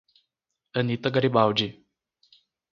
Anita Garibaldi